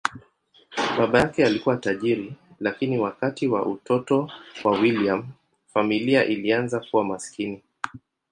Baba yake alikuwa tajiri, lakini wakati wa utoto wa William, familia ilianza kuwa maskini.